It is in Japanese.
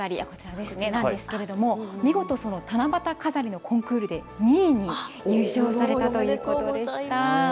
その七夕飾り、見事、七夕飾りのコンクールで２位に入賞されたということでした。